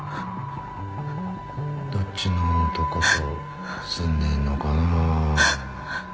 どっちの男と住んでるのかなあ？